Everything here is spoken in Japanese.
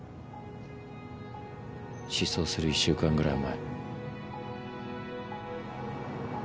失踪する１週間ぐらい前。